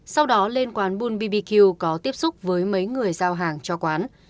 sau đó lên quán bun bbq có tiếp xúc với mấy người giao hàng cho quán